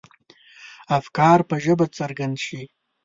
افکار په ژبه څرګند شي.